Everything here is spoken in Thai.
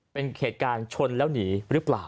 เป็นเหตุการณ์ชนแล้วหนีหรือเปล่า